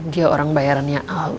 dia orang bayarannya al